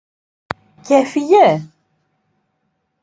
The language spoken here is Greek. Κι έφυγε;